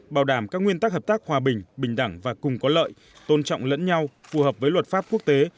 bảo đảm các nguyên tắc hợp tác hòa bình bình đẳng và cùng có lợi tôn trọng lẫn nhau phù hợp với luật pháp quốc tế